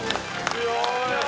強い！